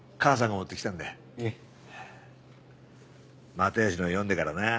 又吉の読んでからな。